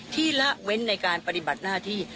ละเว้นในการปฏิบัติหน้าที่